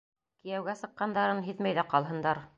Кейәүгә сыҡҡандарын һиҙмәй ҙә ҡалһындар.